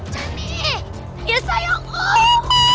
jami ya sayangku